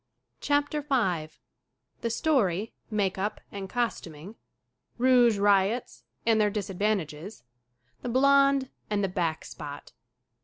CHAPTER V The story, make up and costuming Rouge riots and their disadvantages The blond and the "back spot."